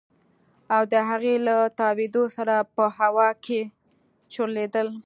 او د هغې له تاوېدو سره په هوا کښې چورلېدل.